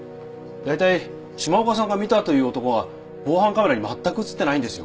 大体島岡さんが見たという男は防犯カメラにまったく映ってないんですよ。